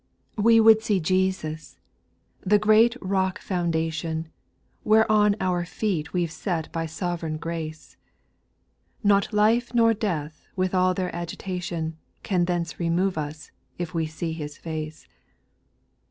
8. " We would see Jesus "— the great rock foun dation, "Whereon our feet we've set by sovereign grace ; Not life nor death, with all their agitation, Can thence remove us, if we see His face.